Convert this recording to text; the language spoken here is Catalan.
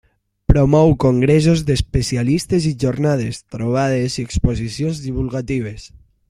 Promou congressos d'especialistes i jornades, trobades i exposicions divulgatives.